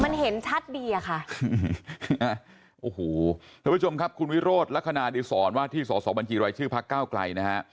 มันเห็นชัดดีอะค่ะโอ้โหท่านผู้ชมครับคุณวิโรธลักษณะดิสรว่าที่สอสอบัญชีรายชื่อพักเก้าไกลนะฮะ